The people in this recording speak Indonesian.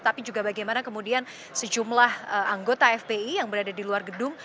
tapi juga bagaimana kemudian sejumlah anggota fpi yang berada di luar gedung